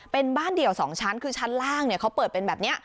เป็นบ้านเดี่ยว๒ชั้นคือชั้นล่างเขาเปิดเป็นแบบนี้